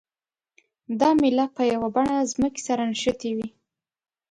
دا میله په یوه بڼه ځمکې سره نښتې وي.